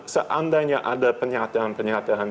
seandainya ada penyataan penyataan